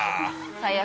最悪。